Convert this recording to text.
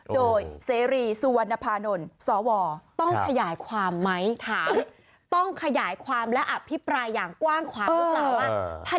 โดยเสรีสุวรรณภานนท์สวต้องขยายความไหมถามต้องขยายความและอภิปรายอย่างกว้างขวางหรือเปล่าว่า